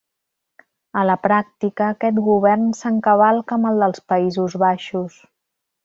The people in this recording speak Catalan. A la pràctica, aquest govern s'encavalca amb el dels Països Baixos.